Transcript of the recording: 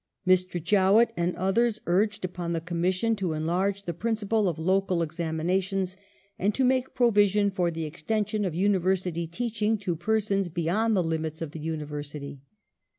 ^ Mr. Jowett and others urged upon the Commission to enlarge the principle of Local Examinations and to make provision for the extension of University teaching to pei'sons beyond the limits of the University.